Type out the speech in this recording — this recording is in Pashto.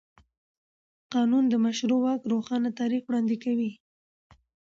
قانون د مشروع واک روښانه تعریف وړاندې کوي.